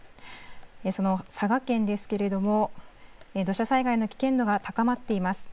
その佐賀県ですけれども、土砂災害の危険度が高まっています。